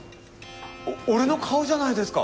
お俺の顔じゃないですか！